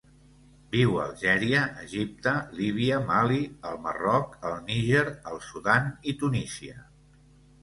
Viu a Algèria, Egipte, Líbia, Mali, el Marroc, el Níger, el Sudan i Tunísia.